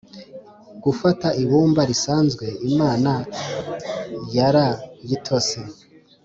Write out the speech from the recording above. gufata ibumba risanzwe, imana yarayitose